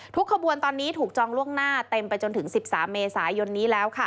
ขบวนตอนนี้ถูกจองล่วงหน้าเต็มไปจนถึง๑๓เมษายนนี้แล้วค่ะ